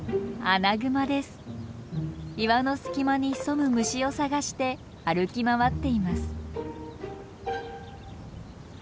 岩の隙間に潜む虫を探して歩き回っています。